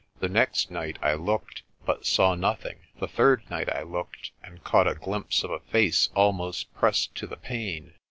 The next night I looked, but saw nothing. The third night I looked, and caught a glimpse of a face almost pressed to the pane.